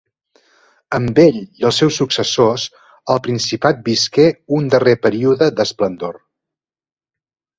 Amb ell i els seus successors el principat visqué un darrer període d'esplendor.